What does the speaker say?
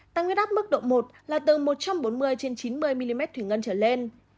tăng huyết áp mức độ một là từ một trăm bốn mươi trên chín mươi mm thủy ngân trở lên